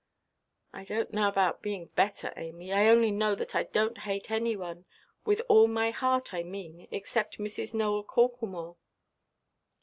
"I donʼt know about being better, Amy; I only know that I donʼt hate any one—with all my heart I mean—except Mrs. Nowell Corklemore."